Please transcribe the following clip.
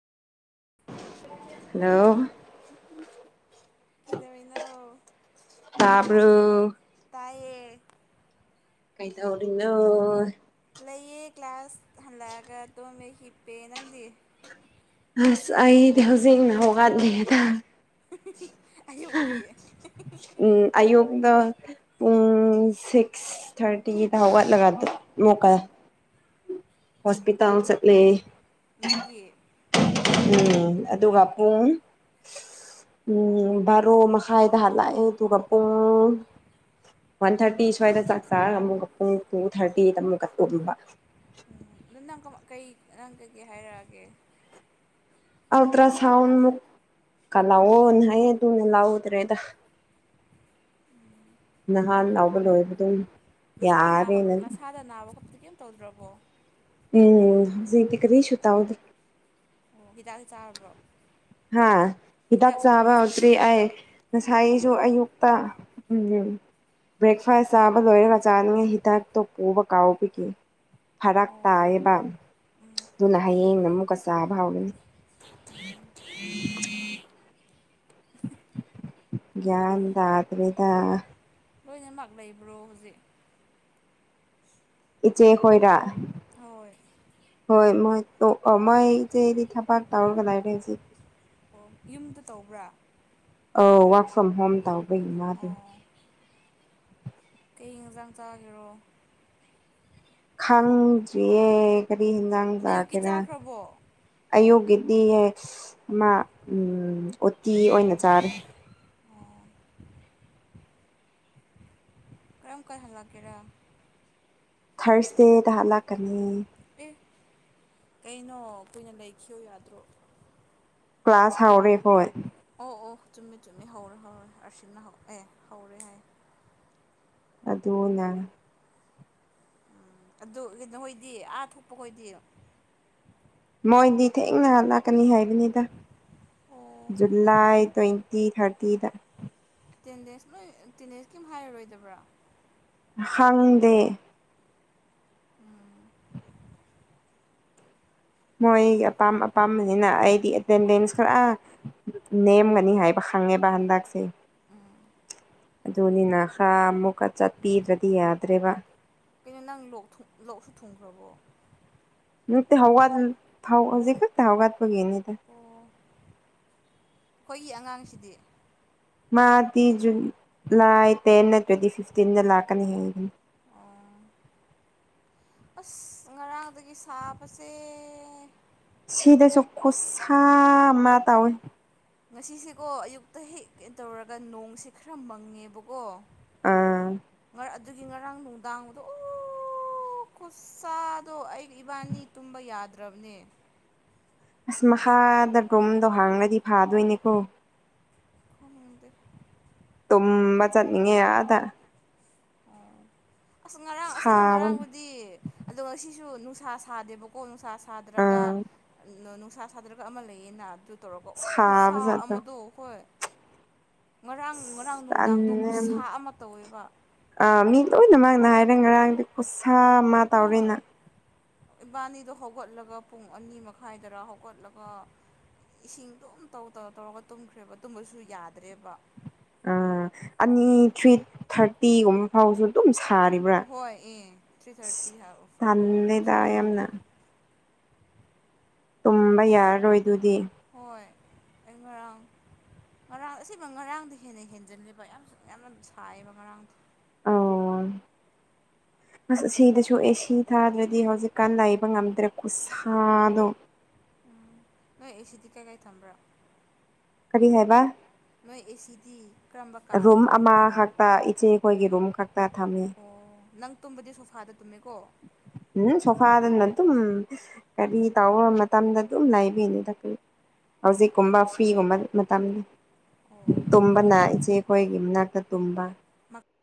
hello ꯀꯩꯗꯧꯔꯤꯅꯣ ꯇꯥꯕ꯭ꯔꯣ ꯇꯥꯏꯌꯦ ꯀꯩꯗꯧꯔꯤꯅꯣ ꯂꯩꯌꯦ ꯀ꯭ꯂꯥꯁ ꯍꯜꯂꯛꯑꯒ ꯇꯨꯝꯃꯦ ꯍꯤꯞꯄꯦ ꯅꯪꯗꯤ ꯑꯁ ꯑꯩꯗꯤ ꯍꯧꯖꯤꯛꯅ ꯍꯧꯒꯠꯂꯤꯌꯦꯗ ꯍ ꯑꯌꯨꯛꯀꯤ ꯎꯝ ꯑꯌꯨꯛꯗꯣ ꯄꯨꯡ ꯁꯤꯛꯁ ꯊꯥꯔꯇꯤꯗ ꯍꯧꯒꯠꯂꯒ ꯗꯥ ꯑꯃꯨꯛꯀ ꯍꯣꯁꯄꯤꯇꯥꯜ ꯆꯠꯂꯦ ꯅꯪꯒꯤ ꯎꯝ ꯑꯗꯨꯒ ꯄꯨꯡ ꯑꯣ ꯎꯝ ꯕꯥꯔꯣ ꯃꯈꯥꯏꯗ ꯍꯜꯂꯛꯑꯦ ꯑꯗꯨꯒ ꯄꯨꯡ ꯋꯥꯟ ꯊꯥꯔꯇꯤ ꯁ꯭ꯋꯥꯏꯗ ꯆꯥꯛ ꯆꯥꯔꯒ ꯑꯃꯨꯛꯀ ꯄꯨꯡ ꯇꯨ ꯊꯥꯔꯇꯤꯗ ꯑꯃꯨꯛꯀ ꯇꯨꯝꯕ ꯑꯗꯨ ꯅꯪ ꯀꯃꯥ ꯀꯩ ꯉꯔꯥꯡ ꯀꯩꯀꯩ ꯅꯪ ꯍꯥꯏꯔꯛꯑꯒꯦ ꯑꯜꯇ꯭ꯔꯥ ꯁꯥꯎꯟ ꯃꯨꯛ ꯀ ꯂꯧꯑꯣ ꯅ ꯍꯥꯏꯌꯦ ꯑꯗꯨꯅ ꯂꯎꯗ꯭ꯔꯦꯗ ꯅꯍꯥꯟ ꯂꯥꯎꯕ ꯂꯣꯏꯈ꯭ꯔꯦ ꯃꯁꯥ ꯅꯥꯕ ꯅꯁꯥꯗ ꯅꯥꯕ ꯈꯣꯠꯄꯗꯤ ꯀꯩꯝ ꯇꯧꯗ꯭ꯔꯕꯣ ꯎꯝ ꯍꯧꯖꯤꯛꯇꯤ ꯀꯔꯤꯁꯨ ꯇꯧꯗꯦ ꯑꯣ ꯍꯤꯗꯥꯛ ꯆꯥꯔꯕ꯭ꯔꯣ ꯍꯥ ꯍꯤꯗꯥꯛ ꯆꯥꯕ ꯍꯤꯗꯥꯛꯀꯨꯝꯕꯗꯤ ꯆꯥ ꯍꯧꯗ꯭ꯔꯤ ꯑꯩ ꯉꯁꯥꯏ ꯗꯨ ꯑꯌꯨꯛꯇ ꯎꯝ ꯎꯝ ꯕ꯭ꯔꯦꯛꯐꯥꯁ ꯆꯥꯕ ꯂꯣꯏꯔꯒ ꯆꯥꯅꯤꯉꯩ ꯍꯤꯗꯥꯛꯇꯣ ꯄꯨꯕ ꯀꯥꯎꯕꯒꯤ ꯐꯔꯛ ꯑꯣ ꯇꯥꯏꯌꯦꯕ ꯎꯝ ꯑꯗꯨꯅ ꯍꯌꯦꯡꯅ ꯑꯃꯨꯛꯀ ꯆꯥꯕ ꯥꯃꯍꯥꯎꯒꯅꯤ ꯒ꯭ꯌꯥꯟ ꯇꯥꯗ꯭ꯔꯦ ꯗꯥ ꯂꯣꯏꯅꯃꯛ ꯂꯩꯕ꯭ꯔꯣ ꯍꯧꯖꯤꯛ ꯏꯆꯦ ꯈꯣꯏꯔ ꯍꯣꯏ ꯍꯣꯏ ꯃꯣꯏ ꯇꯣ ꯑꯣ ꯃꯥꯏ ꯆꯦ ꯗꯤ ꯊꯕꯛ ꯇꯧꯔꯒ ꯂꯥꯏꯔꯦ ꯍꯨꯖꯤꯛ ꯑꯣ ꯌꯨꯝꯗ ꯇꯧꯕ꯭ꯔꯥ ꯑꯧ ꯋꯥꯔꯛ ꯐ꯭ꯔꯣꯝ ꯍꯣꯝ ꯇꯥꯎꯕꯒꯤ ꯃꯥꯗꯨ ꯑꯣ ꯀ꯭ꯔꯤ ꯍꯦꯟꯖꯥꯡ ꯆꯥꯔꯤꯔꯣ ꯈꯪꯗ꯭ꯔꯤꯌꯦ ꯀꯔꯤ ꯌꯦꯟꯖꯥꯡ ꯑꯌꯨꯛꯀꯤ ꯆꯥꯒꯦꯔꯥ ꯆꯥꯈ꯭ꯔꯕꯣ ꯑꯌꯨꯛꯒꯤ ꯗꯤ ꯑ ꯃꯥ ꯎꯝ ꯎꯇꯤ ꯑꯣꯏꯅ ꯆꯥꯔꯦ ꯀꯔꯝ ꯀꯥꯟ ꯍꯜꯂꯛꯀꯦꯔꯥ ꯊ꯭ꯔꯁꯗꯦꯗ ꯍꯥꯂꯛꯀꯅꯤ ꯑꯦ ꯀꯩꯅꯣ ꯀꯨꯏꯅ ꯂꯩꯈꯤꯌꯣ ꯌꯥꯗ꯭ꯔꯣ ꯀ꯭ꯂꯥꯁ ꯍꯥꯎꯔꯦ ꯑꯈꯣꯏ ꯑꯣ ꯑꯣ ꯆꯨꯝꯃꯤ ꯆꯨꯝꯃꯤ ꯍꯧꯔꯦ ꯍꯧꯔꯦ ꯑꯥꯔꯁꯤꯅ ꯑꯦ ꯍꯧꯔꯦ ꯍꯥꯏ ꯑꯗꯨꯅ ꯑꯗꯨ ꯂꯤꯟꯠꯍꯧꯏ ꯍꯣꯏꯗꯤ ꯑꯥ ꯊꯣꯛꯄ ꯈꯣꯏꯗꯤ ꯃꯣꯏꯗꯤ ꯊꯦꯡꯅ ꯍꯥꯂꯥꯛꯀꯅꯤ ꯍꯥꯏꯕꯅꯤꯗ ꯑꯣ ꯖꯨꯂꯥꯏ ꯇ꯭ꯋꯦꯟꯇꯤ ꯊꯥꯔꯇꯤꯗ ꯇꯦꯟꯗꯦꯟꯁ ꯅꯣꯏ ꯇꯦꯟꯗꯦꯟꯁ ꯀꯩꯝ ꯍꯥꯏꯔꯔꯣꯏꯗꯕ꯭ꯔꯥ ꯈꯪꯗꯦ ꯎꯝ ꯃꯣꯏꯒꯤ ꯑꯄꯥꯝ ꯑꯄꯥꯝꯕꯅꯤꯅ ꯑꯩꯗꯤ ꯑꯦꯇꯦꯟꯗꯦꯟꯁ ꯈꯔꯥ ꯅꯦꯝꯒꯅꯤ ꯍꯥꯏꯕ ꯈꯪꯉꯦꯕ ꯍꯟꯗꯛꯇꯤ ꯎꯝ ꯑꯗꯨꯅꯤ ꯅ ꯍꯥ ꯑꯃꯨꯛꯀ ꯆꯠꯄꯤꯗ꯭ꯔꯗꯤ ꯌꯥꯗ꯭ꯔꯦꯕ ꯀꯩꯅꯣ ꯅꯪ ꯂꯣꯛꯊꯨꯡ ꯂꯣꯛꯁꯨ ꯊꯨꯡꯈ꯭ꯔꯕꯣ ꯅꯠꯇꯦ ꯍꯧꯒꯗ ꯍ ꯍꯧꯖꯤꯛꯈꯛꯇ ꯍꯒꯠꯄꯒꯤꯅꯤꯗ ꯑꯣ ꯑꯩꯈꯣꯏꯒꯤ ꯑꯉꯥꯡꯁꯤꯗꯤ ꯃꯥꯗꯤ ꯖꯨꯟ ꯂꯥꯏ ꯇꯦꯟꯅ ꯅꯠꯇ꯭ꯔꯗꯤ ꯐꯤꯐꯇꯤꯟꯗ ꯂꯥꯛꯀꯅꯤ ꯍꯥꯏꯕꯅꯦ ꯑꯣ ꯑꯁ ꯉꯔꯥꯡꯗꯒꯤ ꯁꯥꯕꯁꯦ ꯁꯤꯗꯁꯨ ꯈꯨꯠꯁꯥ ꯑꯃ ꯇꯧꯋꯤ ꯉꯁꯤꯁꯦꯀꯣ ꯑꯌꯨꯛꯇ ꯍꯦꯛ ꯇꯧꯔꯒ ꯅꯣꯡꯁꯦ ꯈꯔ ꯃꯪꯉꯦꯕꯀꯣ ꯑꯥ ꯃꯔ ꯑꯗꯨ ꯑꯗꯨꯒꯤ ꯉꯔꯥꯡ ꯅꯨꯡꯗꯥꯡꯗꯣ ꯑꯣ ꯈꯨꯠꯁꯥꯗꯣ ꯑꯩ ꯏꯕꯥꯅꯤ ꯇꯨꯝꯕ ꯌꯥꯗ꯭ꯔꯕꯅꯦ ꯑꯁ ꯃꯈꯥꯗ ꯒꯨꯝꯗꯣ ꯍꯥꯡꯉꯗꯤ ꯐꯥꯗꯣꯏꯅꯦꯀꯣ ꯈꯪꯗꯦ ꯀꯨꯝꯕ ꯆꯠꯅꯤꯡꯉꯦ ꯑꯥꯗ ꯑꯁ ꯉꯔꯥꯡ ꯑꯁꯤꯅ ꯁꯥꯕꯅ ꯉꯔꯥꯡꯕꯨꯗꯤ ꯑꯗꯣ ꯉꯁꯤꯁꯨ ꯅꯨꯡꯁꯥ ꯁꯥꯗꯦꯕꯀꯣ ꯅꯨꯡꯁꯥ ꯁꯥꯗ꯭ꯔꯒ ꯑꯥ ꯅꯨꯡꯁꯥ ꯁꯥꯗ꯭ꯔꯒ ꯑꯃ ꯂꯩꯌꯦꯅ ꯑꯗꯨ ꯇꯧꯔꯒ ꯑꯣ ꯈꯨꯁꯥ ꯁꯥꯕ ꯖꯥꯠꯇꯣ ꯑꯃꯗꯣ ꯍꯣꯏ ꯉꯔꯥꯡ ꯉꯔꯥꯡ ꯑꯁ ꯅꯨꯡꯗꯥꯡꯗꯣ ꯇꯟꯂꯦ ꯌꯥꯝꯅ ꯈꯨꯠꯁꯥ ꯑꯃ ꯇꯧꯋꯦꯕ ꯑꯩꯅ ꯍꯥꯏꯔꯦ ꯉꯔꯥꯡꯗꯤ ꯈꯨꯠꯁꯥ ꯑꯃ ꯍꯣꯏ ꯇꯧꯔꯦꯅ ꯏꯕꯥꯅꯤꯗꯣ ꯍꯧꯒꯠꯂꯒ ꯄꯨꯡ ꯑꯅꯤ ꯃꯈꯥꯏꯗꯔꯥ ꯍꯧꯒꯠꯂꯒ ꯏꯁꯤꯡ ꯑꯗꯨꯝ ꯇꯧ ꯇꯧꯔ ꯇꯧꯔꯒ ꯇꯨꯝꯈ꯭ꯔꯦꯕ ꯇꯨꯝꯕꯁꯨ ꯌꯥꯗꯦ ꯑ ꯑꯅꯤ ꯊ꯭ꯔꯤ ꯊꯥꯔꯇꯤꯒꯨꯝ ꯐꯥꯎꯁꯨ ꯑꯗꯨ ꯍꯣꯏ ꯑꯦ ꯊ꯭ꯔꯤ ꯊꯥꯔꯇꯤ ꯐꯣꯔ ꯐꯥꯎꯕ ꯑꯗꯨꯝ ꯇꯜꯂꯦꯗ ꯁꯥꯕ ꯃꯥꯜꯂꯦ ꯌꯥꯝꯅ ꯇꯨꯝꯕ ꯑꯁ ꯌꯥꯔꯔꯣꯏ ꯑꯗꯨꯗꯤ ꯍꯣꯏ ꯑꯩ ꯉꯔꯥꯡ ꯉꯔꯥꯡ ꯑꯁꯦꯡꯕ ꯉꯔꯥꯡꯗꯤ ꯍꯦꯟꯅ ꯍꯦꯟꯖꯤꯜꯂꯦꯕ ꯌꯥꯝ ꯌꯥꯝꯅ ꯁꯥꯏꯌꯦꯕ ꯉꯔꯥꯡꯗ [inaudible] ꯑꯧ ꯑꯁ ꯁꯤꯗꯁꯨ ꯑꯦ ꯁꯤ ꯊꯥꯗ꯭ꯔꯗꯤ ꯍꯧꯖꯤꯛꯀꯥꯟ ꯂꯩꯕ ꯉꯝꯗ꯭ꯔꯦ ꯈꯨꯠꯁꯥꯗꯣ ꯅꯣꯏ ꯑꯦ ꯁꯤꯗꯤ ꯀꯥꯢꯀꯥꯏ ꯊꯝꯕ꯭ꯔꯥ ꯀꯔꯤ ꯍꯥꯏꯕ ꯅꯣꯏ ꯑꯦꯁꯤꯗꯤ ꯀꯔꯝꯕ ꯀꯥꯗ ꯑꯗꯨꯝ ꯑꯃ ꯊꯝꯕ꯭ꯔꯥ ꯍꯥꯏꯕ ꯈꯛꯇ ꯏꯆꯦ ꯈꯣꯏꯒꯤ ꯔꯨꯝ ꯈꯛꯇ ꯊꯝꯃꯤ ꯑꯣ ꯅꯪ ꯇꯨꯝꯕꯗꯤ ꯁꯣꯐꯥꯗ ꯇꯨꯝꯃꯦꯀꯣ ꯎꯝ ꯁꯣꯐꯥ ꯗꯅ ꯑꯗꯨꯝ ꯀꯔꯤ ꯇꯧꯕ ꯃꯇꯝꯗ ꯑꯗꯨꯝ ꯂꯩꯕꯩꯅꯤ ꯗ ꯑꯣ ꯍꯧꯖꯤꯛꯀꯨꯝꯕ ꯐ꯭ꯔꯤꯒꯨꯝꯕ ꯃꯇꯝꯅꯤ ꯑꯣ ꯇꯨꯝꯕꯅ ꯏꯆꯦ ꯑꯩꯈꯣꯏꯒꯤ ꯃꯅꯥꯛꯇ ꯇꯨꯝꯕ ꯃ